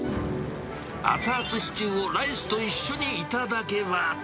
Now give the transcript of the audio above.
熱々シチューをライスと一緒に頂けば。